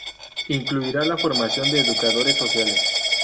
Incluirá la formación de educadores sociales.